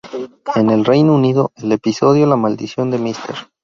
En el Reino Unido, el episodio "La maldición de Mr.